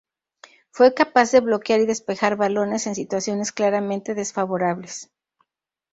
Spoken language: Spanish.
Fue capaz de bloquear y despejar balones en situaciones claramente desfavorables.